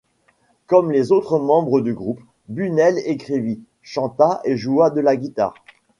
Comme les autres membres du groupe, Bunnel écrivit, chanta et joua de la guitare.